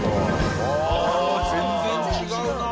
ああ全然違うな。